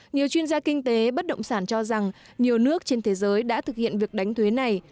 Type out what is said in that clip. nhiều chuyên gia kinh tế bất động sản cho rằng nhiều nước trên thế giới đã thực hiện việc đánh thuế này